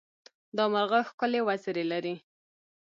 دا مرغه ښکلې وزرې لري.